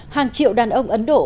hàng triệu đàn ông ấn độ